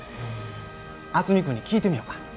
渥美君に聞いてみよか。